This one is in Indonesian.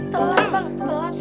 telat bang telat